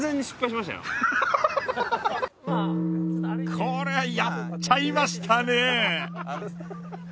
これはやっちゃいましたね。